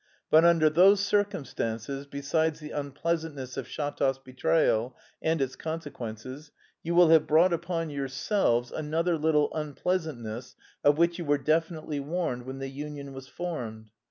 But under those circumstances, besides the unpleasantness of Shatov's betrayal and its consequences, you will have brought upon yourselves another little unpleasantness of which you were definitely warned when the union was formed.